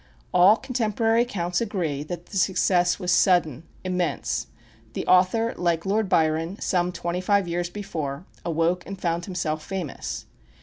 All contemporary accounts agree that the success was sudden, immense. The author, like Lord Byron, some twenty five years before, "awoke and found himself famous."